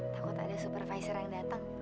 takut ada supervisor yang datang